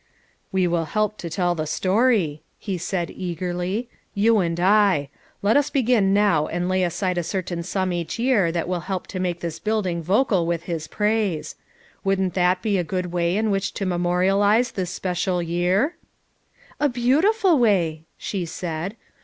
"We will help to tell the story," he said eagerly. "You and I; let us begin now and lay aside a certain sum each year that shall help to make this building vocal with his praise. Wouldn't that be a good way in which to me morialize this special year?" "A beautiful way!" she said.